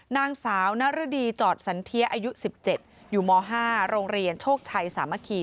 นางสาวนรดีจอดสันเทียอายุ๑๗อยู่ม๕โรงเรียนโชคชัยสามัคคี